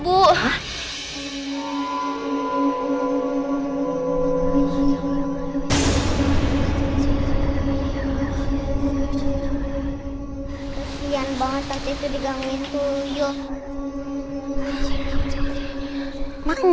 kesian banget saat itu diganggu sama tuyul